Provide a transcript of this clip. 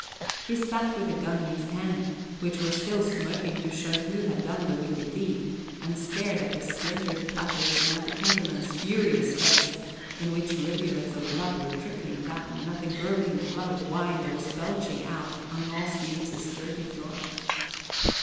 He sat with the gun in his hands, which was still smoking to show who had done the wicked deed, and stared at the splintered platters and at the countryman's furious face, on which rivulets of blood were trickling down, and at the gurgling flood of wine that was belching out on Moll Stevens's dirty floor.